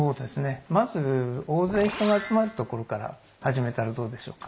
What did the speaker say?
まず大勢人が集まる所から始めたらどうでしょうか。